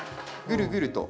ぐるぐると。